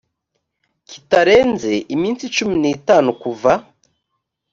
kitarenze iminsi cumi n itanu kuva